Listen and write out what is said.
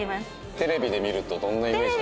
テレビで見るとどんなイメージですか？